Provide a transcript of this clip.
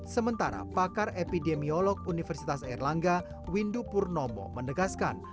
sementara pakar epidemiolog universitas erlangga windu purnomo menegaskan